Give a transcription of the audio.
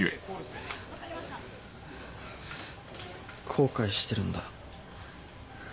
後悔してるんだ。